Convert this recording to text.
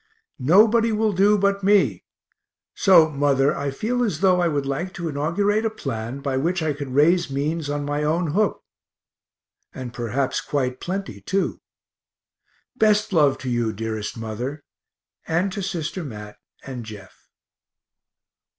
Nobody will do but me so, mother, I feel as though I would like to inaugurate a plan by which I could raise means on my own hook, and perhaps quite plenty too. Best love to you, dearest mother, and to sister Mat, and Jeff.